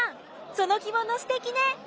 その着物すてきね！